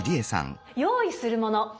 用意するもの。